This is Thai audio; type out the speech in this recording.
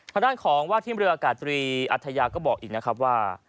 ทางด้านของวาทิมฤาษาอากาศตรีอาธญาอัทยาก็บอกอีกนะครับว่า